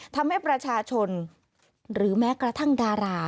ทำให้ประชาชนหรือแม้กระทั่งดารา